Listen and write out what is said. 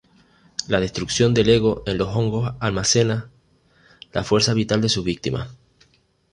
La destrucción del ego en los hongos almacena la fuerza vital de sus víctimas.